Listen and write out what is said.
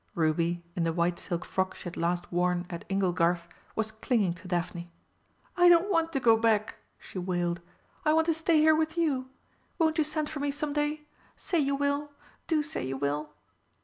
Ruby, in the white silk frock she had last worn at "Inglegarth," was clinging to Daphne. "I don't want to go back!" she wailed, "I want to stay here with you. Won't you send for me some day? Say you will; do say you will!"